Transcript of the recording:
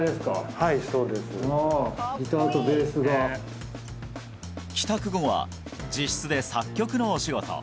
はいそうですギターとベースが帰宅後は自室で作曲のお仕事